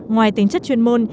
ngoài tính chất chuyên môn